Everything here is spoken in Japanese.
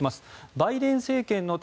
バイデン政権の対